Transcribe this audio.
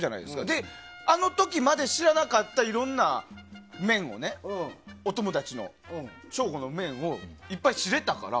で、あの時まだ知らなかったいろんな面をおトムだちの省吾の面をいっぱい知れたから。